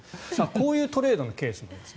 こういうトレードのケースもあります。